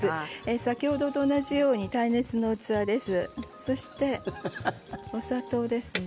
先ほどと同じように耐熱の器です。